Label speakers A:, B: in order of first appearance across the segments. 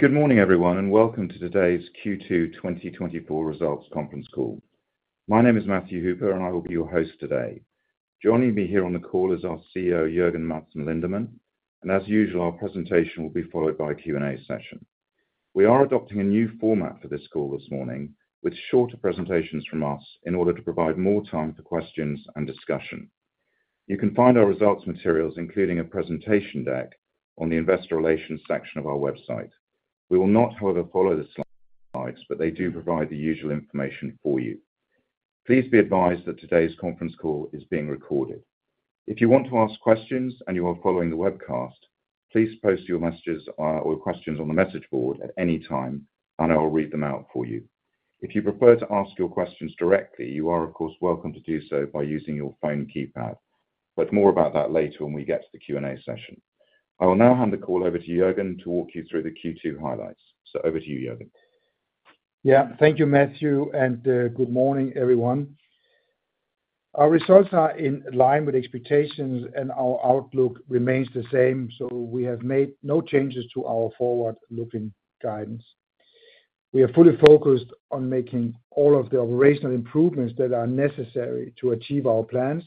A: Good morning, everyone, and welcome to today's Q2 2024 results conference call. My name is Matthew Hooper, and I will be your host today. Joining me here on the call is our CEO, Jørgen Madsen Lindemann, and as usual, our presentation will be followed by a Q&A session. We are adopting a new format for this call this morning, with shorter presentations from us in order to provide more time for questions and discussion. You can find our results materials, including a presentation deck, on the investor relations section of our website. We will not, however, follow the slides, but they do provide the usual information for you. Please be advised that today's conference call is being recorded. If you want to ask questions and you are following the webcast, please post your messages, or questions on the message board at any time, and I will read them out for you. If you prefer to ask your questions directly, you are, of course, welcome to do so by using your phone keypad. But more about that later when we get to the Q&A session. I will now hand the call over to Jørgen to walk you through the Q2 highlights. Over to you, Jørgen.
B: Yeah. Thank you, Matthew, and good morning, everyone. Our results are in line with expectations, and our outlook remains the same, so we have made no changes to our forward-looking guidance. We are fully focused on making all of the operational improvements that are necessary to achieve our plans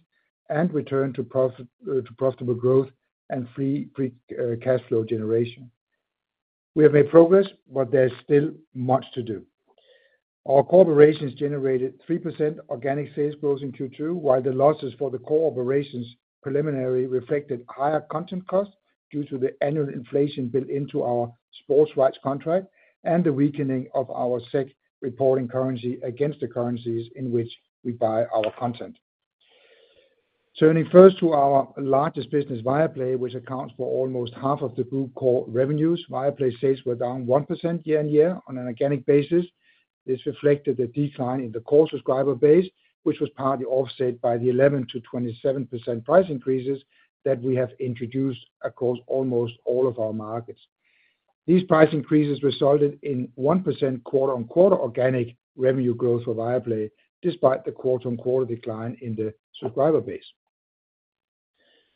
B: and return to profit to profitable growth and free cash flow generation. We have made progress, but there is still much to do. Our core operations generated 3% organic sales growth in Q2, while the losses for the core operations preliminarily reflected higher content costs due to the annual inflation built into our sports rights contract and the weakening of our SEK reporting currency against the currencies in which we buy our content. Turning first to our largest business, Viaplay, which accounts for almost half of the group core revenues, Viaplay sales were down 1% year-on-year on an organic basis. This reflected the decline in the core subscriber base, which was partly offset by the 11%-27% price increases that we have introduced across almost all of our markets. These price increases resulted in 1% quarter-on-quarter organic revenue growth for Viaplay, despite the quarter-on-quarter decline in the subscriber base.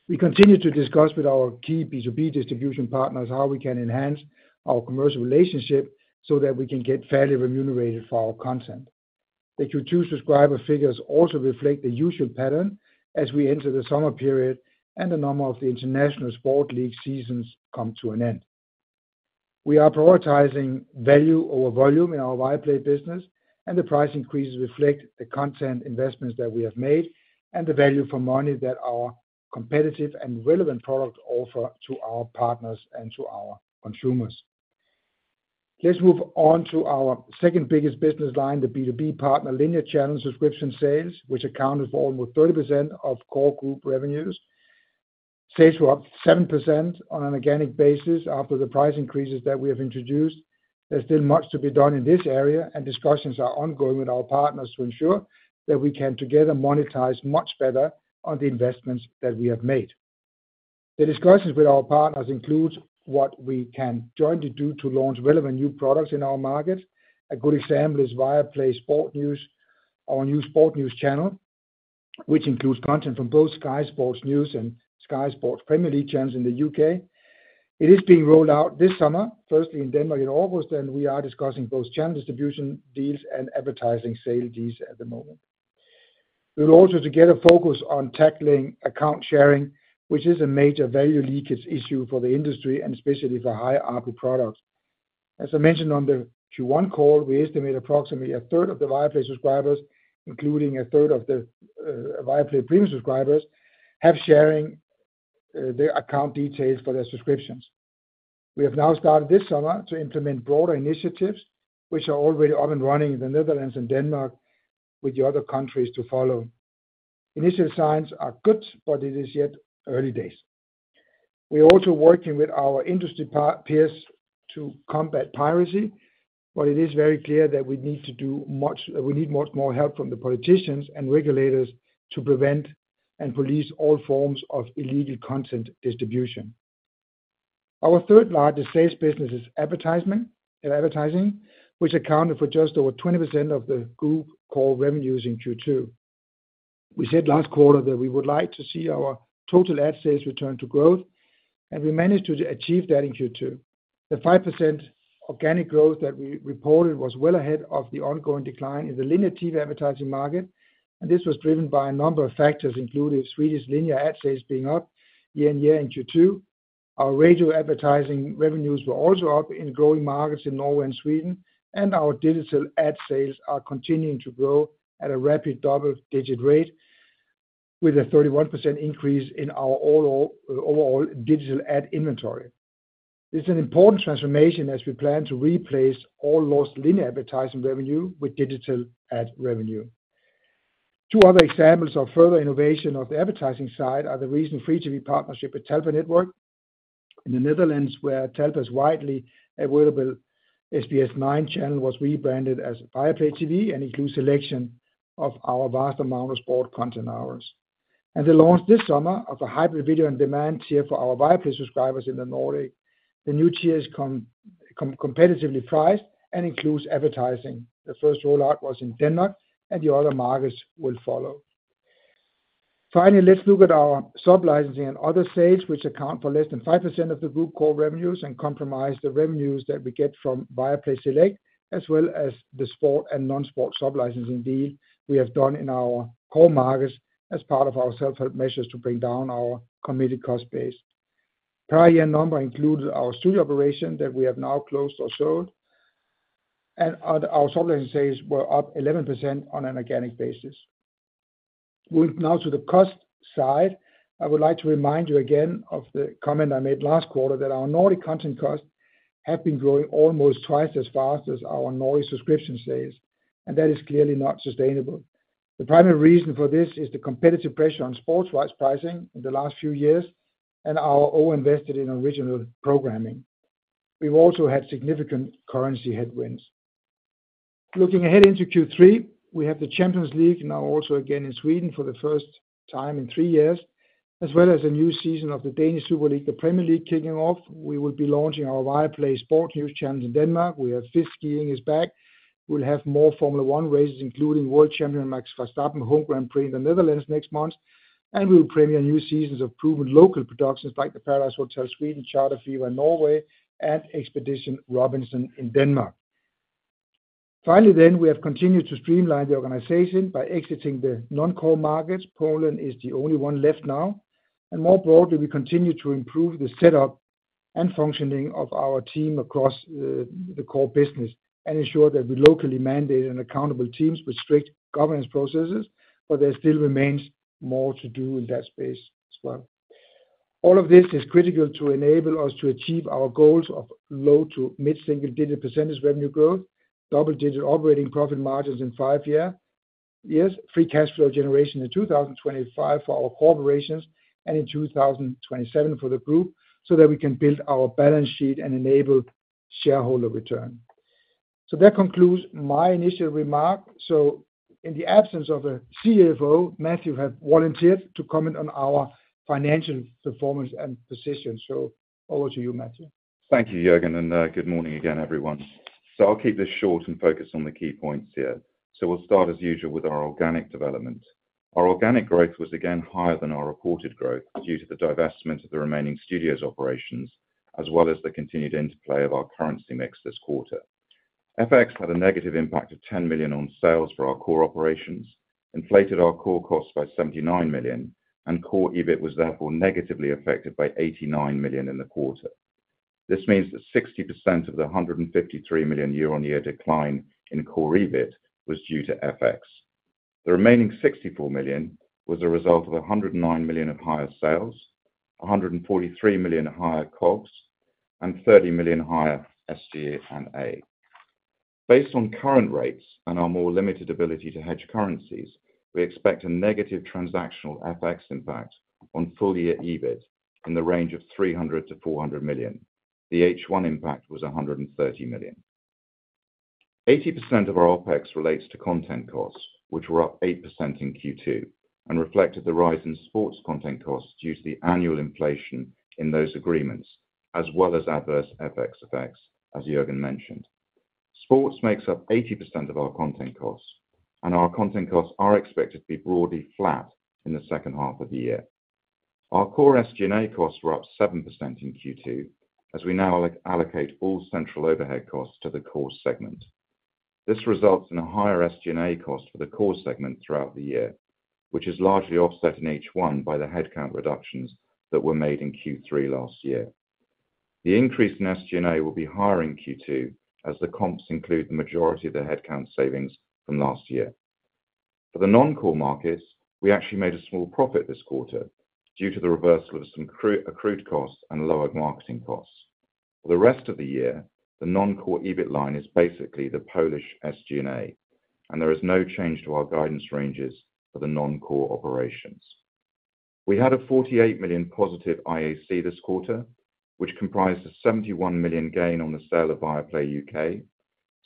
B: We continue to discuss with our key B2B distribution partners how we can enhance our commercial relationship so that we can get fairly remunerated for our content. The Q2 subscriber figures also reflect the usual pattern as we enter the summer period and a number of the international sport league seasons come to an end. We are prioritizing value over volume in our Viaplay business, and the price increases reflect the content investments that we have made and the value for money that our competitive and relevant products offer to our partners and to our consumers. Let's move on to our second biggest business line, the B2B partner, linear channel subscription sales, which accounted for almost 30% of core group revenues. Sales were up 7% on an organic basis after the price increases that we have introduced. There's still much to be done in this area, and discussions are ongoing with our partners to ensure that we can together monetize much better on the investments that we have made. The discussions with our partners includes what we can jointly do to launch relevant new products in our market. A good example is Viaplay Sport News, our new sport news channel, which includes content from both Sky Sports News and Sky Sports Premier League channels in the UK. It is being rolled out this summer, firstly in Denmark in August, and we are discussing both channel distribution deals and advertising sales deals at the moment. We'll also together focus on tackling account sharing, which is a major value leakage issue for the industry and especially for high ARPU products. As I mentioned on the Q1 call, we estimate approximately a third of the Viaplay subscribers, including a third of the Viaplay premium subscribers, have sharing their account details for their subscriptions. We have now started this summer to implement broader initiatives, which are already up and running in the Netherlands and Denmark, with the other countries to follow. Initial signs are good, but it is yet early days. We are also working with our industry peers to combat piracy, but it is very clear that we need to do much, we need much more help from the politicians and regulators to prevent and police all forms of illegal content distribution. Our third largest sales business is advertisement, advertising, which accounted for just over 20% of the group core revenues in Q2. We said last quarter that we would like to see our total ad sales return to growth, and we managed to achieve that in Q2. The 5% organic growth that we reported was well ahead of the ongoing decline in the linear TV advertising market, and this was driven by a number of factors, including Swedish linear ad sales being up year-over-year in Q2. Our radio advertising revenues were also up in growing markets in Norway and Sweden, and our digital ad sales are continuing to grow at a rapid double-digit rate with a 31% increase in our overall digital ad inventory. This is an important transformation as we plan to replace all lost linear advertising revenue with digital ad revenue. Two other examples of further innovation of the advertising side are the recent free TV partnership with Talpa Network. In the Netherlands, where Talpa's widely available, SBS9 channel was rebranded as Viaplay TV and includes selection of our vast amount of sport content hours. And the launch this summer of a hybrid video on demand tier for our Viaplay subscribers in the Nordic. The new tier is competitively priced and includes advertising. The first rollout was in Denmark, and the other markets will follow. Finally, let's look at our sub-licensing and other sales, which account for less than 5% of the group core revenues and comprise the revenues that we get from Viaplay Select, as well as the sport and non-sport sub-licensing deal we have done in our core markets as part of our self-help measures to bring down our committed cost base. Prior year number included our studio operation that we have now closed or sold, and, our sub-licensing sales were up 11% on an organic basis. Moving now to the cost side, I would like to remind you again of the comment I made last quarter, that our Nordic content costs have been growing almost twice as fast as our Nordic subscription sales, and that is clearly not sustainable. The primary reason for this is the competitive pressure on sports rights pricing in the last few years, and our overinvestment in original programming. We've also had significant currency headwinds. Looking ahead into Q3, we have the Champions League now also again in Sweden for the first time in three years, as well as a new season of the Danish Super League, the Premier League kicking off. We will be launching our Viaplay Sport News channel in Denmark. We have FIS skiing is back. We'll have more Formula One races, including World Champion Max Verstappen home Grand Prix in the Netherlands next month, and we will premiere new seasons of proven local productions like the Paradise Hotel Sweden, Charter Fever Norway, and Expedition Robinson in Denmark. Finally, then, we have continued to streamline the organization by exiting the non-core markets. Poland is the only one left now. And more broadly, we continue to improve the setup and functioning of our team across the core business and ensure that we locally mandated and accountable teams with strict governance processes, but there still remains more to do in that space as well. All of this is critical to enable us to achieve our goals of low- to mid-single-digit percentage revenue growth, double-digit operating profit margins in five years, free cash flow generation in 2025 for our core operations, and in 2027 for the group, so that we can build our balance sheet and enable shareholder return. So that concludes my initial remark. So in the absence of a CFO, Matthew has volunteered to comment on our financial performance and position. So over to you, Matthew.
A: Thank you, Jørgen, and good morning again, everyone. So I'll keep this short and focus on the key points here. So we'll start, as usual, with our organic development. Our organic growth was again higher than our reported growth due to the divestment of the remaining studios operations, as well as the continued interplay of our currency mix this quarter. FX had a negative impact of 10 million on sales for our core operations, inflated our core costs by 79 million, and core EBIT was therefore negatively affected by 89 million in the quarter. This means that 60% of the 153 million year-on-year decline in core EBIT was due to FX. The remaining 64 million was a result of 109 million of higher sales, 143 million higher COGS, and 30 million higher SG&A. Based on current rates and our more limited ability to hedge currencies, we expect a negative transactional FX impact on full year EBIT in the range of 300 million-400 million. The H1 impact was 130 million. 80% of our OpEx relates to content costs, which were up 8% in Q2, and reflected the rise in sports content costs due to the annual inflation in those agreements, as well as adverse FX effects, as Jørgen mentioned. Sports makes up 80% of our content costs, and our content costs are expected to be broadly flat in the second half of the year. Our core SG&A costs were up 7% in Q2, as we now allocate all central overhead costs to the core segment. This results in a higher SG&A cost for the core segment throughout the year, which is largely offset in H1 by the headcount reductions that were made in Q3 last year. The increase in SG&A will be higher in Q2, as the comps include the majority of the headcount savings from last year. For the non-core markets, we actually made a small profit this quarter due to the reversal of some accrued costs and lower marketing costs. For the rest of the year, the non-core EBIT line is basically the Polish SG&A, and there is no change to our guidance ranges for the non-core operations. We had 48 million positive IAC this quarter, which comprised a 71 million gain on the sale of Viaplay UK,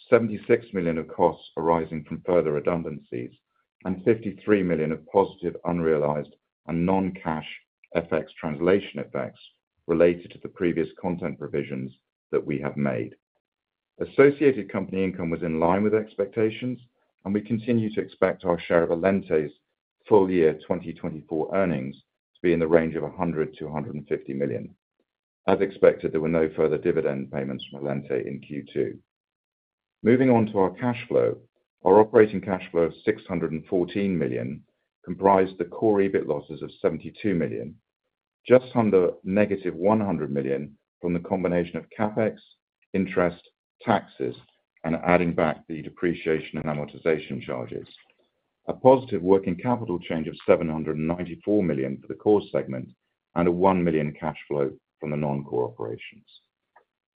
A: 76 million of costs arising from further redundancies, and 53 million of positive unrealized and non-cash FX translation effects related to the previous content provisions that we have made. Associated company income was in line with expectations, and we continue to expect our share of Allente's full year 2024 earnings to be in the range of 100-150 million. As expected, there were no further dividend payments from Allente in Q2. Moving on to our cash flow. Our operating cash flow of 614 million comprised the core EBIT losses of 72 million, just under -100 million from the combination of CapEx, interest, taxes, and adding back the depreciation and amortization charges. A positive working capital change of 794 million for the core segment, and a 1 million cash flow from the non-core operations.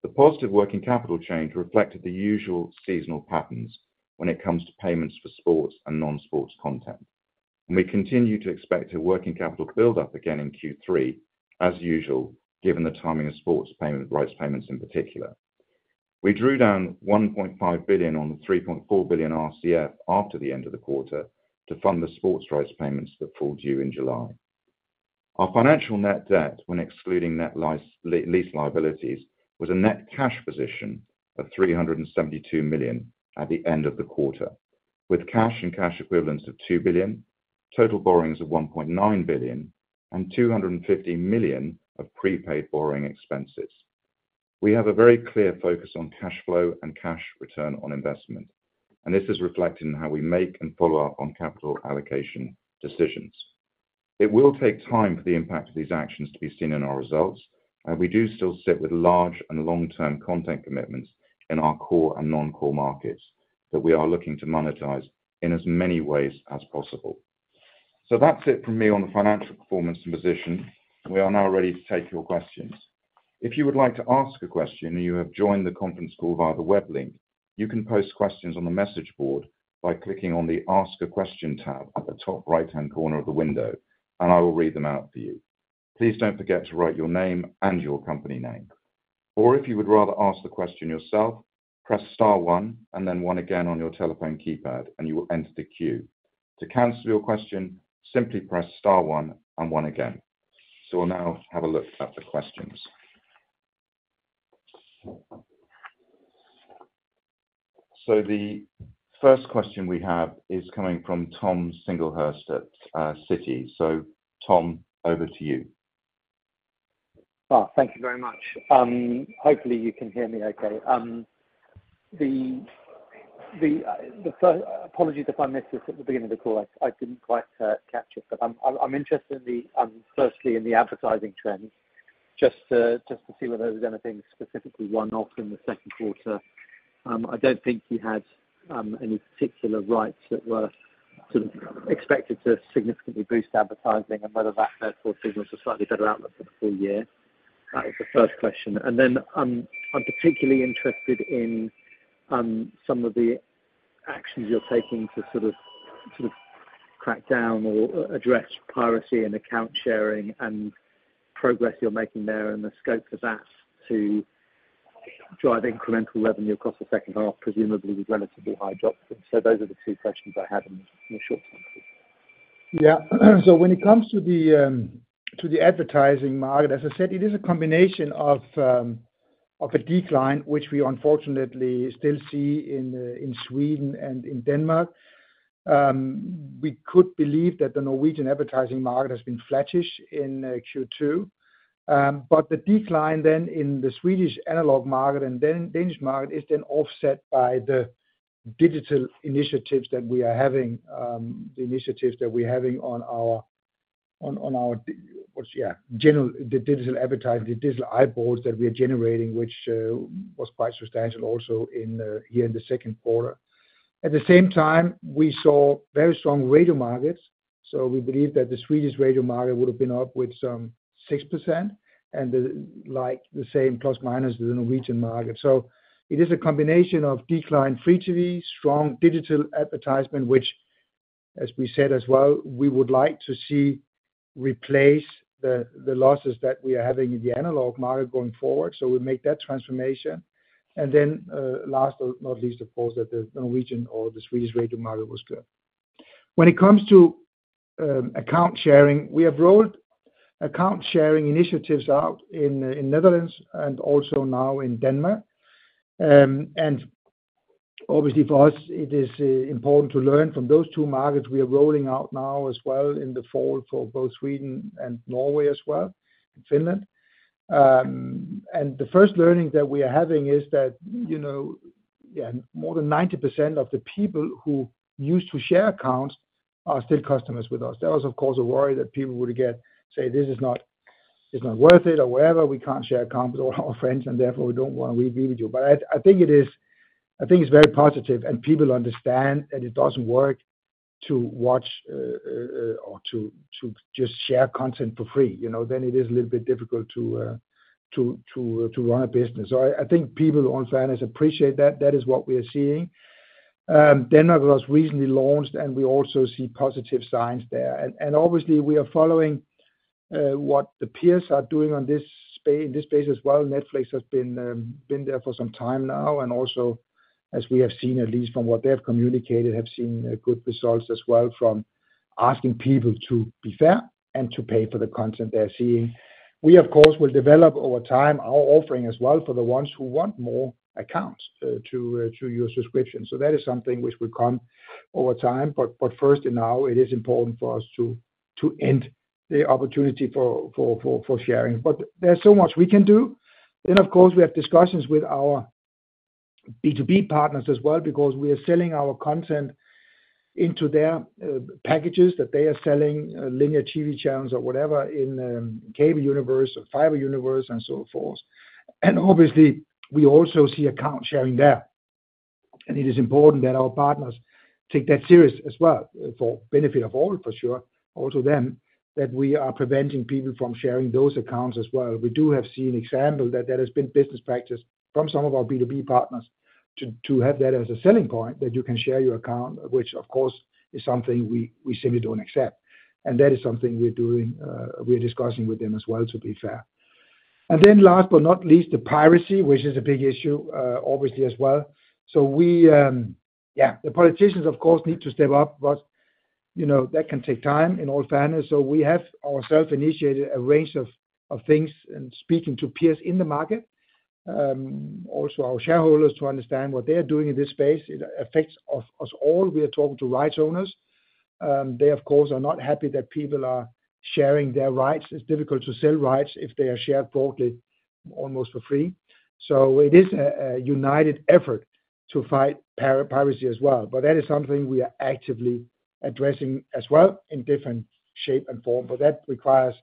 A: The positive working capital change reflected the usual seasonal patterns when it comes to payments for sports and non-sports content. We continue to expect a working capital build-up again in Q3, as usual, given the timing of sports payment, rights payments in particular. We drew down 1.5 billion on the 3.4 billion RCF after the end of the quarter to fund the sports rights payments that fall due in July. Our financial net debt, when excluding net lease liabilities, was a net cash position of 372 million at the end of the quarter, with cash and cash equivalents of 2 billion, total borrowings of 1.9 billion, and 250 million of prepaid borrowing expenses. We have a very clear focus on cash flow and cash return on investment, and this is reflected in how we make and follow up on capital allocation decisions. It will take time for the impact of these actions to be seen in our results, and we do still sit with large and long-term content commitments in our core and non-core markets, that we are looking to monetize in as many ways as possible. So that's it from me on the financial performance and position. We are now ready to take your questions. If you would like to ask a question, and you have joined the conference call via the web link, you can post questions on the message board by clicking on the Ask a Question tab at the top right-hand corner of the window, and I will read them out for you. Please don't forget to write your name and your company name. Or if you would rather ask the question yourself, press star one and then one again on your telephone keypad, and you will enter the queue. To cancel your question, simply press star one and one again. So we'll now have a look at the questions. So the first question we have is coming from Tom Singlehurst at Citi. So Tom, over to you.
C: Ah, thank you very much. Hopefully, you can hear me okay. Apologies if I missed this at the beginning of the call. I didn't quite capture it, but I'm interested in, firstly, in the advertising trends, just to, just to see whether there was anything specifically one-off in the second quarter. I don't think you had any particular rights that were sort of expected to significantly boost advertising, and whether that therefore signals a slightly better outlook for the full year. That is the first question. I'm particularly interested in some of the actions you're taking to sort of crack down or address piracy and account sharing, and progress you're making there, and the scope of that to drive incremental revenue across the second half, presumably with relatively high drops. Those are the two questions I had in a short time.
B: Yeah. So when it comes to the, to the advertising market, as I said, it is a combination of, of a decline, which we unfortunately still see in, in Sweden and in Denmark. We could believe that the Norwegian advertising market has been flattish in, Q2. But the decline then in the Swedish analog market and then Danish market, is then offset by the digital initiatives that we are having, the initiatives that we're having. Yeah, general, the digital advertising, the digital eyeballs that we are generating, which, was quite substantial also in, here in the second quarter. At the same time, we saw very strong radio markets. So we believe that the Swedish radio market would have been up with some 6%, and the, like, the same plus or minus the Norwegian market. So it is a combination of decline free TV, strong digital advertisement, which, as we said as well, we would like to see replace the, the losses that we are having in the analog market going forward, so we make that transformation. And then, last but not least, of course, that the Norwegian or the Swedish radio market was good. When it comes to account sharing, we have rolled account sharing initiatives out in Netherlands and also now in Denmark. And obviously for us, it is important to learn from those two markets. We are rolling out now as well in the fall for both Sweden and Norway as well, and Finland. And the first learning that we are having is that, you know, yeah, more than 90% of the people who used to share accounts are still customers with us. That was, of course, a worry that people would get, say, "This is not, it's not worth it or whatever. We can't share accounts with all our friends, and therefore, we don't want to be with you." But I think it is, I think it's very positive, and people understand that it doesn't work to watch or to just share content for free. You know, then it is a little bit difficult to run a business. So I think people in Scandinavia appreciate that. That is what we are seeing. Denmark was recently launched, and we also see positive signs there. Obviously, we are following what the peers are doing on this space as well. Netflix has been there for some time now, and also, as we have seen, at least from what they have communicated, have seen good results as well from asking people to be fair and to pay for the content they're seeing. We, of course, will develop over time our offering as well for the ones who want more accounts to your subscription. So that is something which will come over time, but first and now, it is important for us to end the opportunity for sharing. But there's so much we can do. Then, of course, we have discussions with our B2B partners as well, because we are selling our content into their packages, that they are selling linear TV channels or whatever in cable universe or fiber universe and so forth. Obviously, we also see account sharing there. It is important that our partners take that serious as well, for benefit of all, for sure, also them, that we are preventing people from sharing those accounts as well. We do have seen example that that has been business practice from some of our B2B partners to have that as a selling point, that you can share your account, which of course is something we simply don't accept. That is something we're doing, we're discussing with them as well, to be fair... And then last but not least, the piracy, which is a big issue, obviously, as well. So we, yeah, the politicians of course need to step up, but, you know, that can take time, in all fairness. So we have ourselves initiated a range of things and speaking to peers in the market, also our shareholders to understand what they're doing in this space. It affects us all. We are talking to rights owners. They of course are not happy that people are sharing their rights. It's difficult to sell rights if they are shared broadly, almost for free. So it is a united effort to fight piracy as well. But that is something we are actively addressing as well in different shapes and forms. But that requires,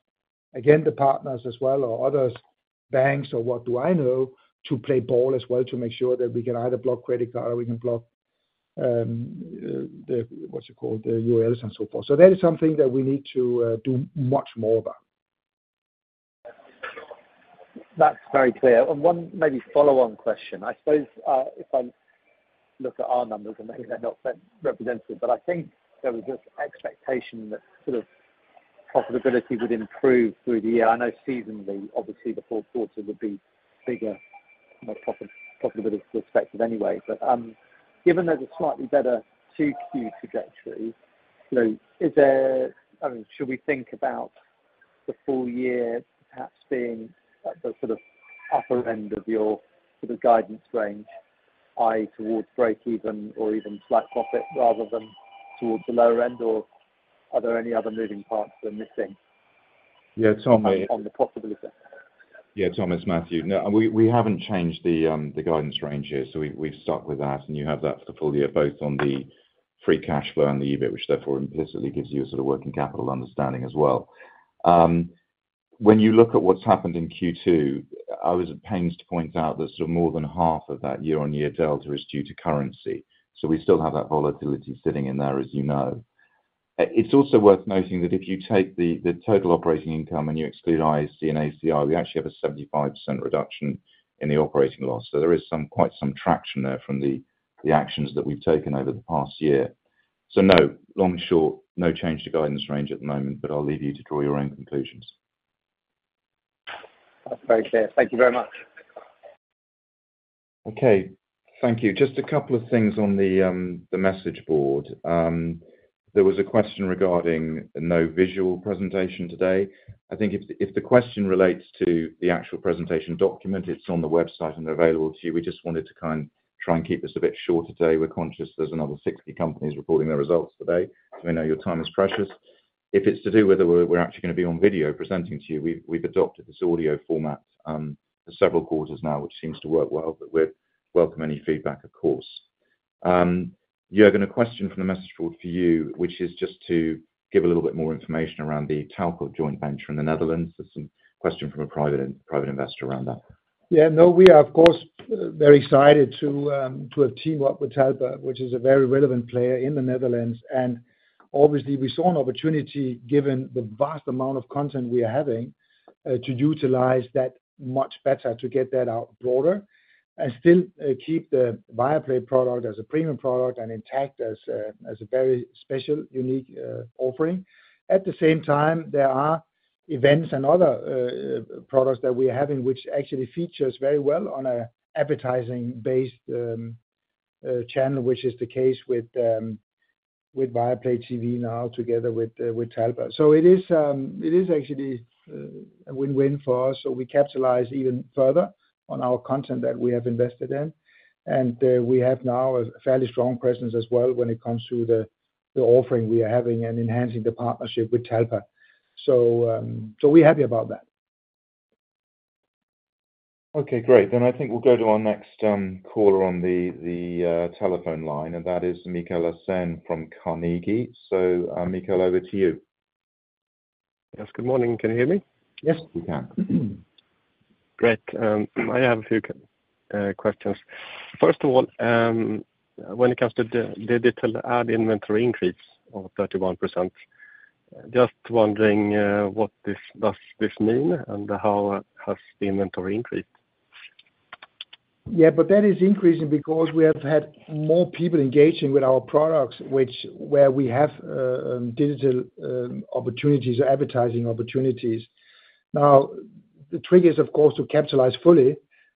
B: again, the partners as well, or others, banks, or what do I know, to play ball as well, to make sure that we can either block credit card or we can block, the, what's it called, the URLs and so forth. So that is something that we need to do much more about.
C: That's very clear. And one maybe follow-on question: I suppose, if I look at our numbers, and maybe they're not representative, but I think there was this expectation that sort of profitability would improve through the year. I know seasonally, obviously the fourth quarter would be bigger from a profit, profitability perspective anyway. But, given there's a slightly better 2Q trajectory, you know, is there, I mean, should we think about the full year perhaps being at the sort of upper end of your sort of guidance range, i.e., towards breakeven or even slight profit, rather than towards the lower end? Or are there any other moving parts we're missing-
A: Yeah, Tommy-
C: on the profitability?
A: Yeah, Thomas, Matthew. No, we haven't changed the guidance range here, so we've stuck with that. You have that for the full year, both on the free cash flow and the EBIT, which therefore implicitly gives you a sort of working capital understanding as well. When you look at what's happened in Q2, I was at pains to point out that sort of more than half of that year-on-year delta is due to currency, so we still have that volatility sitting in there, as you know. It's also worth noting that if you take the total operating income and you exclude IAC and ACI, we actually have a 75% reduction in the operating loss. There is some, quite some traction there from the actions that we've taken over the past year. So no, long and short, no change to guidance range at the moment, but I'll leave you to draw your own conclusions.
C: That's very clear. Thank you very much.
A: Okay, thank you. Just a couple of things on the message board. There was a question regarding no visual presentation today. I think if the question relates to the actual presentation document, it's on the website and available to you. We just wanted to kind of try and keep this a bit short today. We're conscious there's another 60 companies reporting their results today, so we know your time is precious. If it's to do with whether we're actually gonna be on video presenting to you, we've adopted this audio format for several quarters now, which seems to work well, but we'd welcome any feedback, of course. Jørgen, a question from the message board for you, which is just to give a little bit more information around the Talpa joint venture in the Netherlands. There's some question from a private investor around that.
B: Yeah, no, we are of course very excited to have teamwork with Talpa, which is a very relevant player in the Netherlands. And obviously we saw an opportunity, given the vast amount of content we are having, to utilize that much better, to get that out broader, and still keep the Viaplay product as a premium product and intact as a very special, unique offering. At the same time, there are events and other products that we are having, which actually features very well on a advertising-based channel, which is the case with Viaplay TV now together with Talpa. So it is actually a win-win for us, so we capitalize even further on our content that we have invested in. We have now a fairly strong presence as well when it comes to the offering we are having and enhancing the partnership with Talpa. So, we're happy about that.
A: Okay, great. Then I think we'll go to our next caller on the telephone line, and that is Mikael Laséen from Carnegie. So, Mikael, over to you.
D: Yes, good morning. Can you hear me?
A: Yes, we can. Great. I have a few questions. First of all, when it comes to the digital ad inventory increase of 31%, just wondering, what does this mean, and how has the inventory increased?
B: Yeah, but that is increasing because we have had more people engaging with our products, where we have digital opportunities, advertising opportunities. Now, the trick is, of course, to capitalize fully,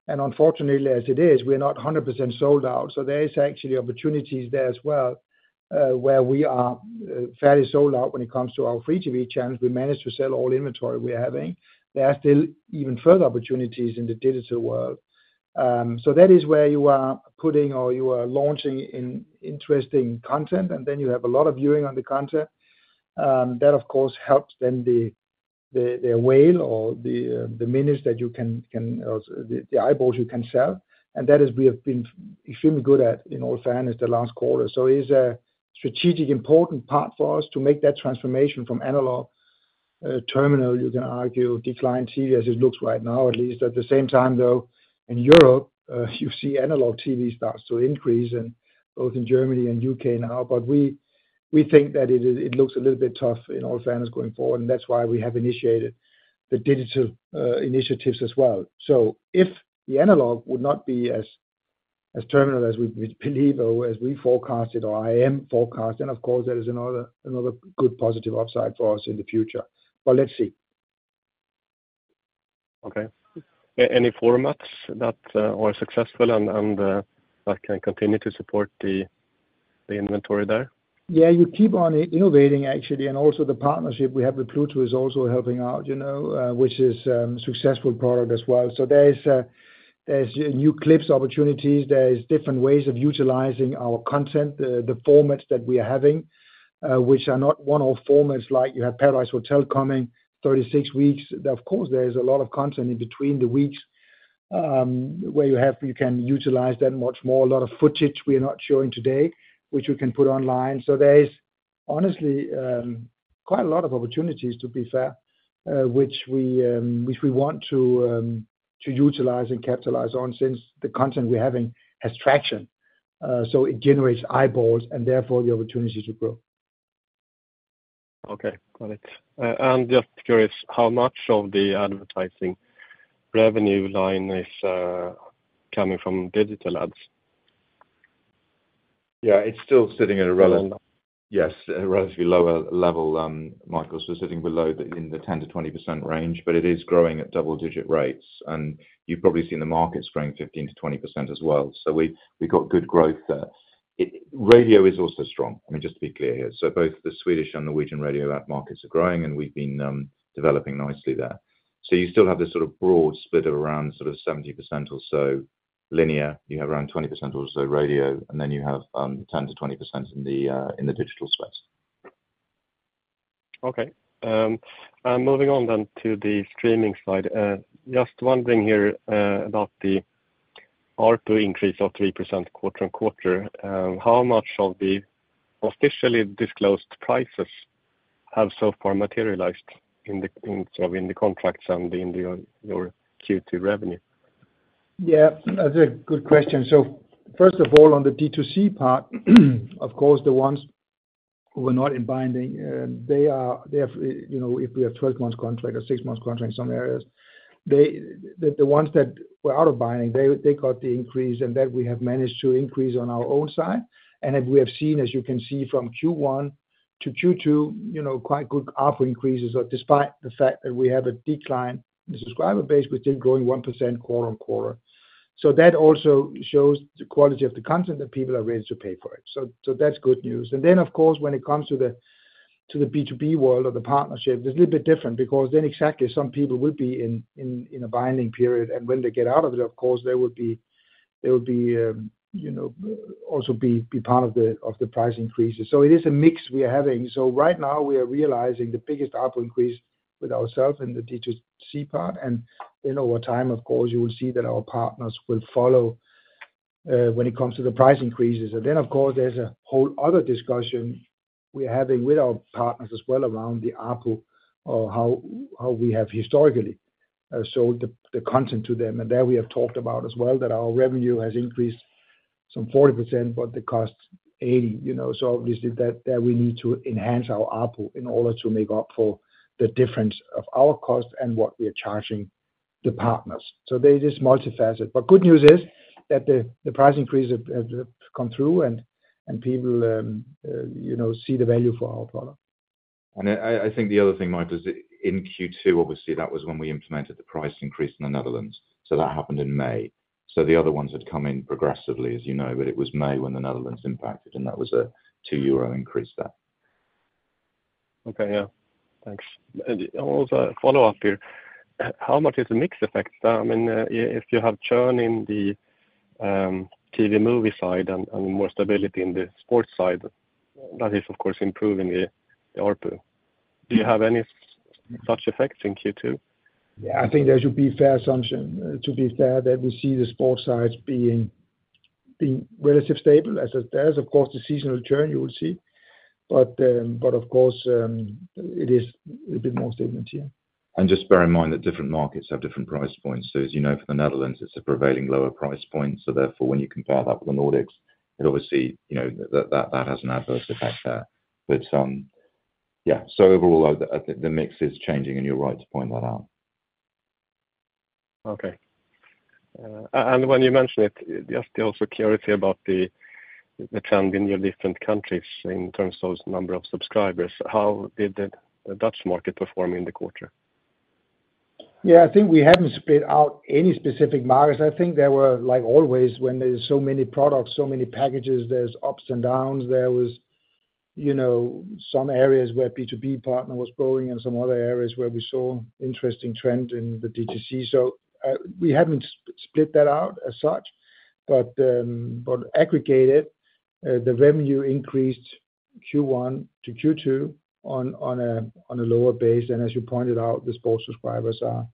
B: and unfortunately, as it is, we are not 100% sold out. So there is actually opportunities there as well, where we are fairly sold out when it comes to our free TV channels. We managed to sell all inventory we are having. There are still even further opportunities in the digital world. So that is where you are putting or you are launching interesting content, and then you have a lot of viewing on the content. That, of course, helps then the whale or the minnows that you can the eyeballs you can sell. That is, we have been extremely good at, in all fairness, the last quarter. It is a strategic important part for us to make that transformation from analog, terminal, you can argue, declining TV as it looks right now, at least. At the same time, though, in Europe, you see analog TV starts to increase and both in Germany and U.K. now, but we think that it looks a little bit tough in all fairness going forward, and that's why we have initiated the digital initiatives as well. If the analog would not be as terminal as we believe or as we forecasted or I am forecasting, of course, there is another good positive upside for us in the future. But let's see. Okay. Any formats that are successful and that can continue to support the inventory there? Yeah, you keep on innovating, actually, and also the partnership we have with Pluto is also helping out, you know, which is successful product as well. So there is, there's new clips opportunities, there is different ways of utilizing our content, the formats that we are having, which are not one-off formats like you have Paradise Hotel coming 36 weeks. Of course, there is a lot of content in between the weeks, where you have, you can utilize that much more. A lot of footage we are not showing today, which we can put online. So there is honestly, quite a lot of opportunities, to be fair, which we, which we want to, to utilize and capitalize on since the content we're having has traction. So it generates eyeballs, and therefore the opportunity to grow.
D: Okay, got it. I'm just curious, how much of the advertising revenue line is coming from digital ads?
A: Yeah, it's still sitting at a relative, Yes, a relatively lower level, Mikael, so sitting below the in the 10%-20% range, but it is growing at double-digit rates. And you've probably seen the market growing 15%-20% as well. So we've got good growth there. Radio is also strong. I mean, just to be clear here, so both the Swedish and Norwegian radio ad markets are growing, and we've been developing nicely there. So you still have this sort of broad split of around sort of 70% or so linear. You have around 20% or so radio, and then you have 10%-20% in the digital space.
D: Okay. And moving on then to the streaming side, just wondering here about the ARPU increase of 3% quarter-on-quarter. How much of the officially disclosed prices have so far materialized in the, in sort of in the contracts and in the, your Q2 revenue?
B: Yeah, that's a good question. So first of all, on the D2C part, of course, the ones who are not in binding, they are, they have, you know, if we have 12 months contract or 6 months contract in some areas, they, the, the ones that were out of binding, they, they got the increase, and that we have managed to increase on our own side. And as we have seen, as you can see from Q1 to Q2, you know, quite good ARPU increases, despite the fact that we have a decline in subscriber base, we're still growing 1% quarter-over-quarter. So that also shows the quality of the content that people are ready to pay for it. So, that's good news. And then, of course, when it comes to the B2B world or the partnership, it's a little bit different because then exactly some people will be in a binding period, and when they get out of it, of course, there will be, you know, also be part of the price increases. So it is a mix we are having. So right now we are realizing the biggest ARPU increase with ourselves in the D2C part, and then over time, of course, you will see that our partners will follow when it comes to the price increases. And then, of course, there's a whole other discussion we're having with our partners as well around the ARPU, or how we have historically sold the content to them. There we have talked about as well, that our revenue has increased some 40%, but the cost 80%, you know, so obviously that, there we need to enhance our ARPU in order to make up for the difference of our cost and what we are charging the partners. So there it is multifaceted. But good news is that the price increase have come through and people, you know, see the value for our product.
A: I think the other thing, Mikael, is in Q2, obviously, that was when we implemented the price increase in the Netherlands, so that happened in May. So the other ones had come in progressively, as you know, but it was May when the Netherlands impacted, and that was a 2 euro increase there.
D: Okay, yeah. Thanks. And also a follow-up here, how much is the mix effect? I mean, if you have churn in the TV movie side and more stability in the sports side, that is of course improving the ARPU. Do you have any such effects in Q2?
B: Yeah, I think that should be a fair assumption, to be fair, that we see the sports side being relatively stable as it is. Of course, the seasonal churn you will see, but, but of course, it is a bit more stagnant here.
A: Just bear in mind that different markets have different price points. So as you know, for the Netherlands, it's a prevailing lower price point, so therefore, when you compare that with the Nordics, it obviously, you know, that has an adverse effect there. But yeah, so overall, the mix is changing, and you're right to point that out.
D: Okay. When you mention it, just also curiosity about the trend in your different countries in terms of number of subscribers. How did the Dutch market perform in the quarter?
B: Yeah, I think we haven't split out any specific markets. I think there were, like always, when there's so many products, so many packages, there's ups and downs. There was, you know, some areas where B2B partner was growing and some other areas where we saw interesting trend in the D2C. So, we haven't split that out as such, but, but aggregated, the revenue increased Q1 to Q2 on, on a, on a lower base, and as you pointed out, the sports subscribers are,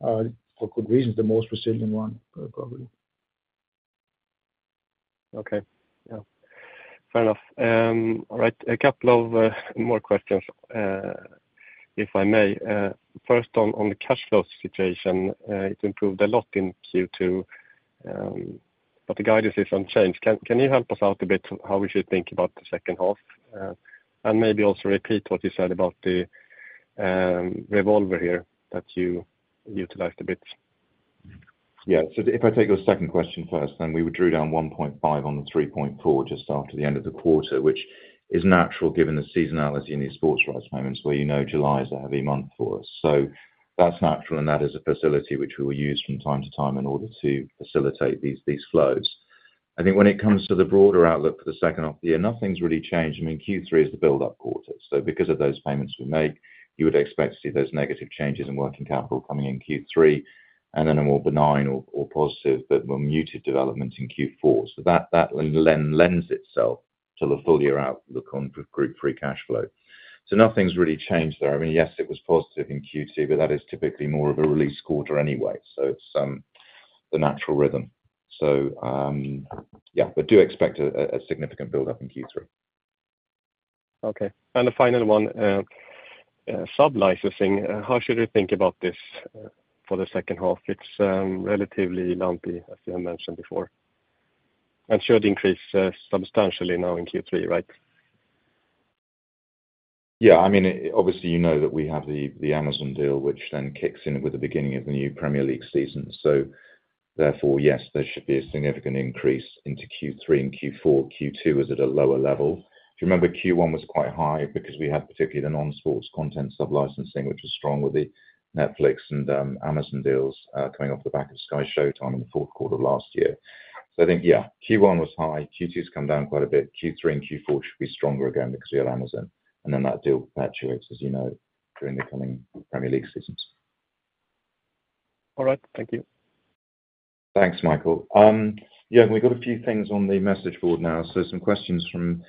B: for good reasons, the most resilient one, probably.
D: Okay, yeah. Fair enough. All right. A couple of more questions, if I may. First on the cash flow situation, it improved a lot in Q2, but the guidance is unchanged. Can you help us out a bit how we should think about the second half? And maybe also repeat what you said about the revolver here that you utilized a bit?
A: Yeah. So if I take your second question first, then we drew down 1.5 on the 3.4 just after the end of the quarter, which is natural, given the seasonality in these sports rights payments, where you know July is a heavy month for us. So that's natural, and that is a facility which we will use from time to time in order to facilitate these flows. I think when it comes to the broader outlook for the second half of the year, nothing's really changed. I mean, Q3 is the build-up quarter, so because of those payments we make, you would expect to see those negative changes in working capital coming in Q3, and then a more benign or positive but more muted developments in Q4. So that lends itself to the full year outlook on group free cash flow. So nothing's really changed there. I mean, yes, it was positive in Q2, but that is typically more of a release quarter anyway, so it's the natural rhythm. So, yeah, but do expect a significant build up in Q3.
D: Okay. The final one, sub-licensing, how should we think about this for the second half? It's relatively lumpy, as you have mentioned before, and should increase substantially now in Q3, right?
A: Yeah. I mean, obviously, you know that we have the Amazon deal, which then kicks in with the beginning of the new Premier League season. So therefore, yes, there should be a significant increase into Q3 and Q4. Q2 is at a lower level. If you remember, Q1 was quite high because we had particularly the non-sports content sub-licensing, which was strong with the Netflix and Amazon deals, coming off the back of Sky Showtime in the fourth quarter of last year. So I think, yeah, Q1 was high, Q2's come down quite a bit. Q3 and Q4 should be stronger again because we have Amazon, and then that deal activates, as you know, during the coming Premier League seasons.
D: All right. Thank you.
A: Thanks, Mikael. Yeah, we've got a few things on the message board now. So some questions from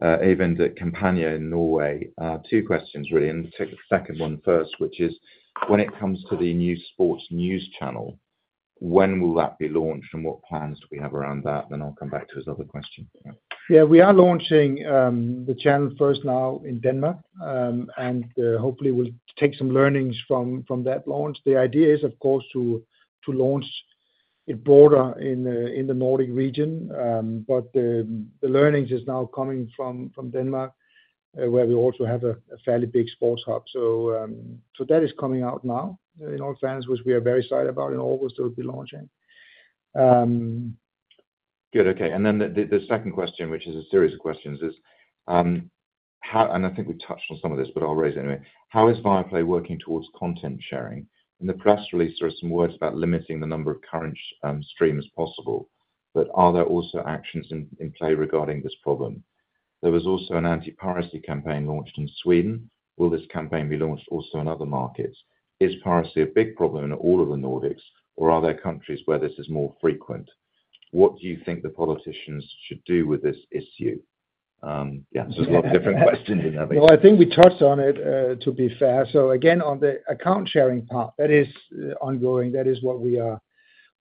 A: Kampanje in Norway. Two questions, really, and take the second one first, which is: When it comes to the new sports news channel, when will that be launched, and what plans do we have around that? Then I'll come back to his other question.
B: Yeah, we are launching the channel first now in Denmark, and hopefully we'll take some learnings from that launch. The idea is, of course, to launch it broader in the Nordic region, but the learnings is now coming from Denmark, where we also have a fairly big sports hub. So, that is coming out now in Allente, which we are very excited about. In August, it will be launching.
A: Good. Okay, and then the second question, which is a series of questions, is how... And I think we touched on some of this, but I'll raise it anyway. How is Viaplay working towards content sharing? In the press release, there are some words about limiting the number of current streams possible, but are there also actions in play regarding this problem? There was also an anti-piracy campaign launched in Sweden. Will this campaign be launched also in other markets? Is piracy a big problem in all of the Nordics, or are there countries where this is more frequent? What do you think the politicians should do with this issue? Yeah, so it's a lot of different questions in that way.
B: Well, I think we touched on it, to be fair. So again, on the account sharing part, that is ongoing. That is what we are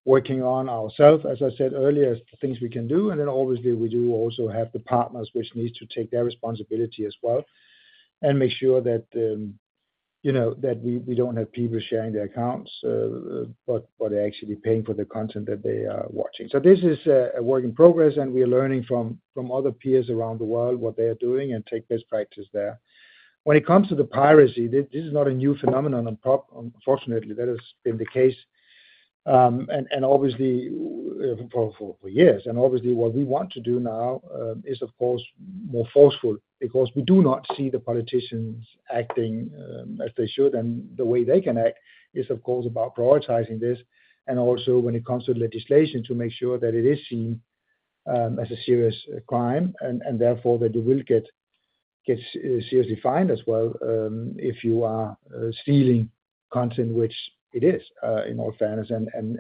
B: working on ourselves. As I said earlier, things we can do, and then obviously we do also have the partners which needs to take their responsibility as well and make sure that, you know, that we don't have people sharing their accounts, but are actually paying for the content that they are watching. So this is a work in progress, and we are learning from other peers around the world, what they are doing, and take best practice there. When it comes to the piracy, this is not a new phenomenon, unfortunately, that has been the case, and obviously for years. Obviously, what we want to do now is of course more forceful, because we do not see the politicians acting as they should. The way they can act is, of course, about prioritizing this and also when it comes to legislation, to make sure that it is seen as a serious crime,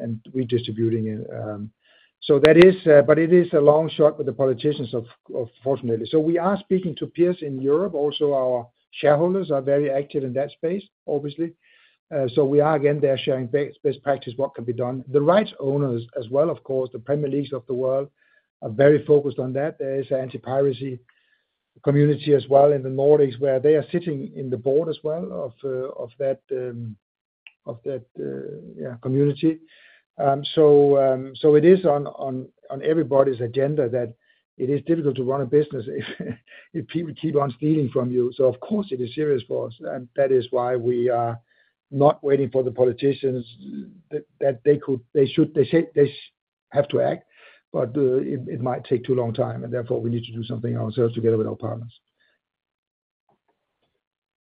B: and redistributing it. So that is but it is a long shot with the politicians, unfortunately. So we are speaking to peers in Europe. Also, our shareholders are very active in that space, obviously. So we are again, they are sharing best practice, what can be done. The rights owners as well, of course, the Premier Leagues of the world are very focused on that. There is an anti-piracy community as well in the Nordics, where they are sitting in the board as well of that community. So it is on everybody's agenda that it is difficult to run a business if people keep on stealing from you. So of course, it is serious for us, and that is why we are not waiting for the politicians. They have to act, but it might take too long time, and therefore, we need to do something ourselves together with our partners.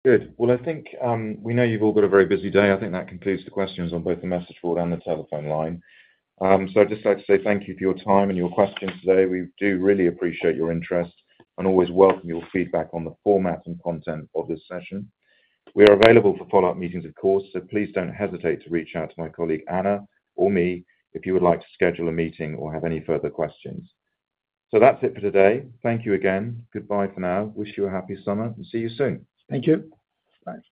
A: Good. Well, I think we know you've all got a very busy day. I think that concludes the questions on both the message board and the telephone line. So I'd just like to say thank you for your time and your questions today. We do really appreciate your interest and always welcome your feedback on the format and content of this session. We are available for follow-up meetings of course, so please don't hesitate to reach out to my colleague, Anna, or me if you would like to schedule a meeting or have any further questions. So that's it for today. Thank you again. Goodbye for now. Wish you a happy summer, and see you soon.
B: Thank you.
A: Thanks.